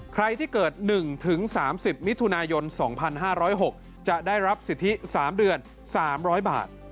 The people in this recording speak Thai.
ใครที่เกิด๑๓๐มิถุนายน๒๕๐๖จะได้รับสิทธิ๓เดือน๓๐๐บาท